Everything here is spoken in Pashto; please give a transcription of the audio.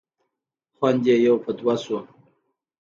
خوند یې یو په دوه شو.